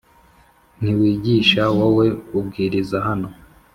ntiwiyigisha Wowe ubwiriza hano